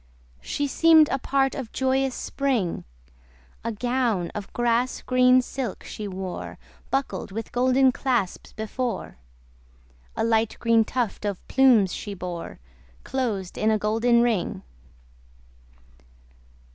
She seem'd a part of joyous Spring: A gown of grass green silk she wore, Buckled with golden clasps before; A light green tuft of plumes she bore Closed in a golden ring.